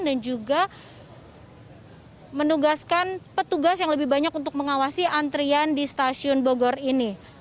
dan juga menugaskan petugas yang lebih banyak untuk mengawasi antrian di stasiun bogor ini